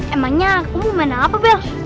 emangnya kamu mau main apa bel